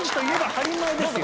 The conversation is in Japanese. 当たり前ですよ。